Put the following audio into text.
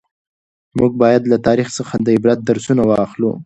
موږ باید له تاریخ څخه د عبرت درسونه واخلو.